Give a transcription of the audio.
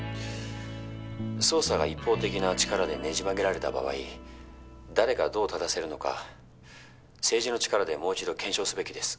捜査が一方的な力でねじ曲げられた場合誰がどう正せるのか政治の力でもう１度検証すべきです。